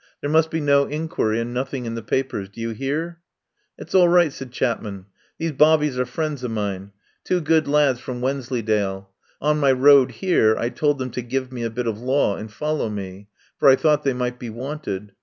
There must be no inquiry and nothing in the papers. Do you hear?" "That's all right," said Chapman. "These bobbies are friends of mine, two good lads from Wensleydale. On my road here I told them to give me a bit of law and follow me, for I thought they might be wanted.